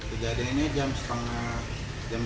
kejadian ini jam setengah jam